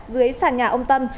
dưới sàn nhà ông tâm